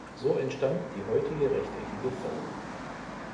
So entstand die heutige rechteckige Form.